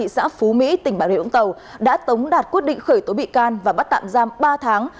xã phú mỹ tỉnh bảo địa vũng tàu đã tống đạt quyết định khởi tố bị can và bắt tạm giam ba tháng